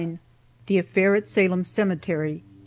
THE AFFAIR AT SALEM CEMETERY.